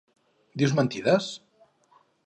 Dius mentides?